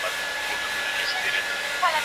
سپینه غوښه په لیدلو کې ډېره خوندوره معلومېدله.